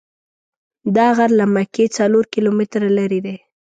دا غر له مکې څلور کیلومتره لرې دی.